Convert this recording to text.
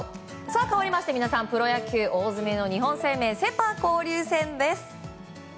かわりまして皆さんプロ野球、大詰めの日本生命セ・パ交流戦です。